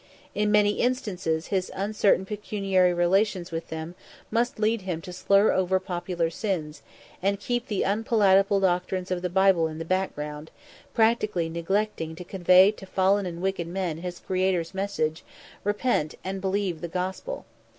In many instances his uncertain pecuniary relations with them must lead him to slur over popular sins, and keep the unpalatable doctrines of the Bible in the background, practically neglecting to convey to fallen and wicked man his Creator's message, "Repent, and believe the Gospel."